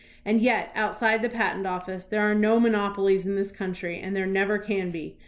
And yet, outside the patent office, there are no monopolies in this country, and there never can be.